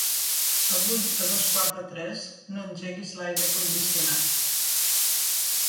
Avui a dos quarts de tres no engeguis l'aire condicionat.